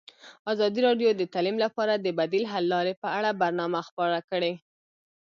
ازادي راډیو د تعلیم لپاره د بدیل حل لارې په اړه برنامه خپاره کړې.